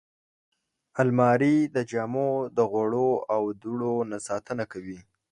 الماري د جامو د غوړو او دوړو نه ساتنه کوي